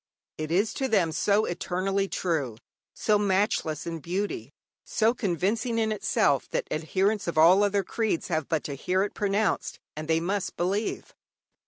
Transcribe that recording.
It is to them so eternally true, so matchless in beauty, so convincing in itself, that adherents of all other creeds have but to hear it pronounced and they must believe.